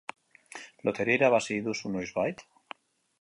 Loteria irabazi duzu noizbait?